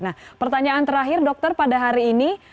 nah pertanyaan terakhir dokter pada hari ini